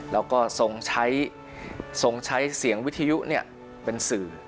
แล้วก็ทรงใช้เสียงวิทยุเป็นสื่อ